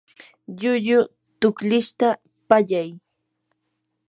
llullu tuklishta pallay.